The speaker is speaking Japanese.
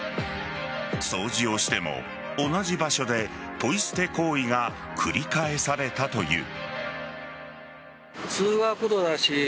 掃除をしても同じ場所でポイ捨て行為が繰り返されたという。